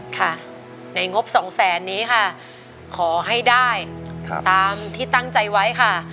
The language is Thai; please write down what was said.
ค่ะในงบสองแสนนี้ค่ะขอให้ได้ตามที่ตั้งใจไว้ค่ะ